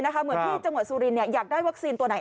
เหมือนที่จังหวัดสุรินอยากได้วัคซีนตัวไหน